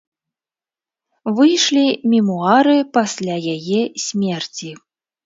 Выйшлі мемуары пасля яе смерці.